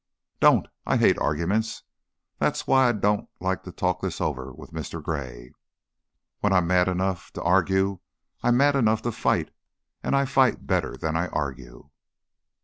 "Don't! I hate arguments. That's why I don't like to talk this over with Mr. Gray. When I'm mad enough to argue I'm mad enough to fight, and I fight better than I argue."